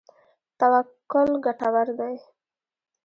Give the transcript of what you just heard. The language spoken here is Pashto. توکل ګټور دی.